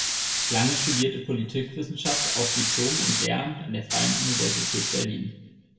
Lange studierte Politikwissenschaft auf Diplom und Lehramt an der Freien Universität Berlin.